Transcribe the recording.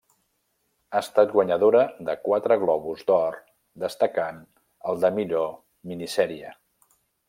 Ha estat guanyadora de quatre Globus d'Or, destacant el de millor Minisèrie.